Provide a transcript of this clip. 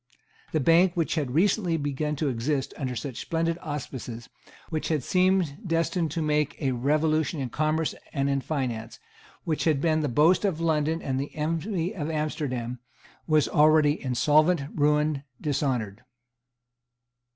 The bank which had recently begun to exist under such splendid auspices, which had seemed destined to make a revolution in commerce and in finance, which had been the boast of London and the envy of Amsterdam, was already insolvent, ruined, dishonoured.